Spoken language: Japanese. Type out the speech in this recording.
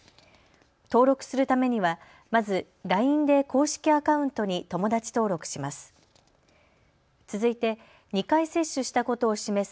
登録するためにはまずＬＩＮＥで公式アカウントに友だち登録します。